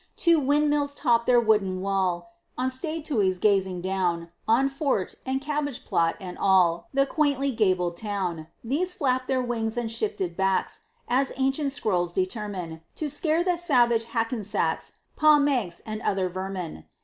Two windmills topped their wooden wall, On Stadthuys gazing down, On fort, and cabbage plots, and all The quaintly gabled town; These flapped their wings and shifted backs, As ancient scrolls determine, To scare the savage Hackensacks, Paumanks, and other vermin.